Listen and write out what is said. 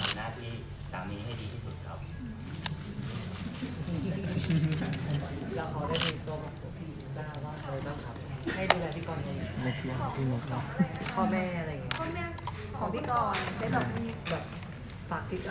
พี่ดาว่าใครบังคับให้ดีกว่าพี่กรของพี่กรของพี่กรได้แบบฝากอะไรแบบนี้ให้เราไหมครับ